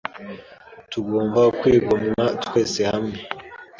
Tugomba kwigomwa twese hamwe,